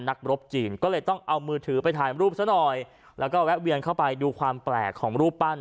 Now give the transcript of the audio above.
นักรบจีนก็เลยต้องเอามือถือไปถ่ายรูปซะหน่อยแล้วก็แวะเวียนเข้าไปดูความแปลกของรูปปั้น